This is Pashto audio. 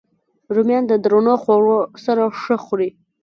رومیان د درنو خوړو سره ښه خوري